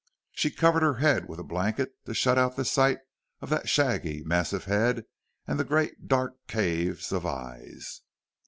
She covered her head with a blanket to shut out sight of that shaggy, massive head and the great dark caves of eyes.